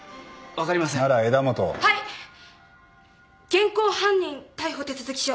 現行犯人逮捕手続書。